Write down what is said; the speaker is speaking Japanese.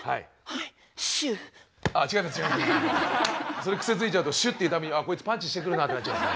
それ癖づいちゃうと「シュッ」って言うたびにこいつパンチしてくるなってなっちゃいます。